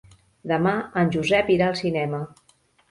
Demà en Josep irà al cinema.